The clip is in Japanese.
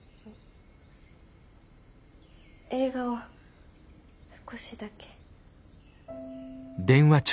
映画を少しだけ。